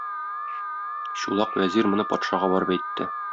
Чулак вәзир моны патшага барып әйтте.